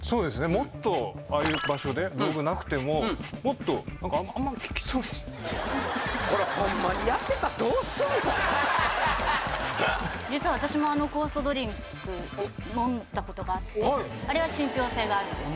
もっとああいう場所でなくてももっとなんかあんまり効きそうに実は私もあの酵素ドリンク飲んだことがあってあれは信憑性があるんですよ